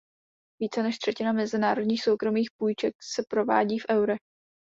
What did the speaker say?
Více než třetina mezinárodních soukromých půjček se provádí v eurech.